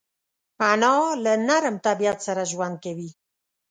انا له نرم طبیعت سره ژوند کوي